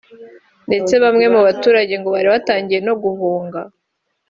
ndetse bamwe mu baturage ngo bari batangiye no guhunga